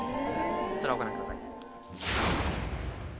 こちらをご覧ください。